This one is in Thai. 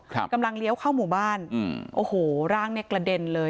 กำลังเลี้ยวเข้าหมู่บ้านอืมโอ้โหร่างเนี้ยกระเด็นเลย